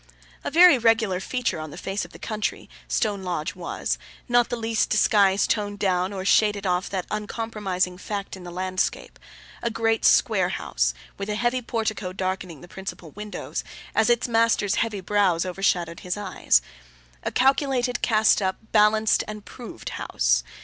A very regular feature on the face of the country, Stone Lodge was. Not the least disguise toned down or shaded off that uncompromising fact in the landscape. A great square house, with a heavy portico darkening the principal windows, as its master's heavy brows overshadowed his eyes. A calculated, cast up, balanced, and proved house.